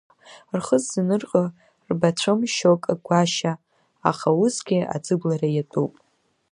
Рхы ззанырҟьо рбацәом шьоук агәашьа, аха усгьы аӡыблара иатәуп.